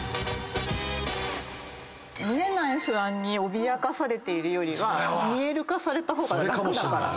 見えない不安に脅かされているよりは見える化された方が楽だから。